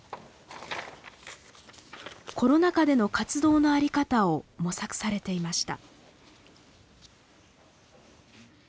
コロナ禍での活動の在り方を模索されていました。